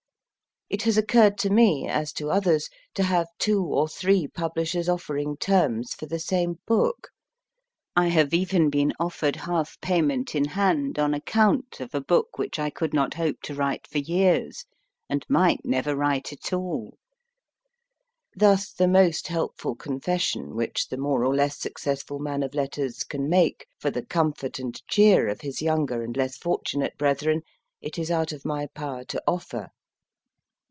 It has occurred to me, as to others, to have two or three publishers offering terms for the same book. I have even been offered half payment in hand on account of a book which I could not hope to write for years, and might never write at all. Thus the most helpful confession which the more or less suc cessful man of letters can make for the comfort and cheer of his younger and less fortunate brethren, it is out of my power to offer.